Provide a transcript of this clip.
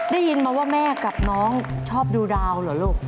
ได้ยินมาว่าแม่กับน้องชอบดูดาวเหรอลูก